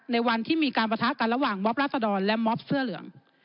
ในวันที่มีการประทะกันระหว่างมอบราษดรและมอบเสื้อเหลือง